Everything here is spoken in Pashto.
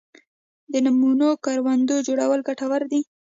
د نمونوي کروندو جوړول ګټور دي